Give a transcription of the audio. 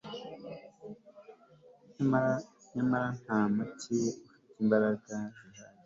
nyamara nta muti ufite imbaraga zihagije